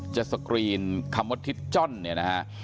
สกรีนคำว่าทิศจ้อนเนี่ยนะฮะ